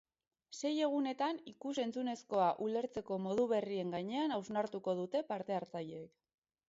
Sei egunetan ikus-entzunezkoa ulertzeko modu berrien gainean hausnartuko dute parte-hartzaileek.